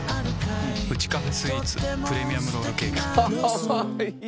ウチカフェスイーツプレミアムロールケーキ。